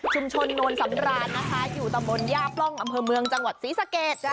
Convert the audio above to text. โนนสำรานนะคะอยู่ตำบลย่าปล่องอำเภอเมืองจังหวัดศรีสะเกด